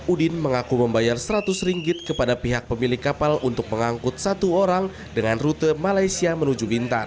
udin mengaku membayar seratus ringgit kepada pihak pemilik kapal untuk mengangkut satu orang dengan rute malaysia menuju bintan